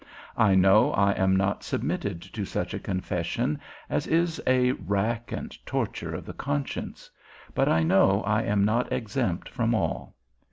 " I know I am not submitted to such a confession as is a rack and torture of the conscience; but I know I am not exempt from all.